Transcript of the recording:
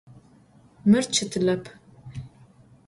Mır çetılep.